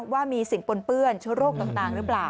ว่ามีสิ่งปนเปื้อนเชื้อโรคต่างหรือเปล่า